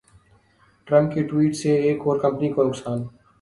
Trump کی tweet سے ایک اور کمپنی کو نقصان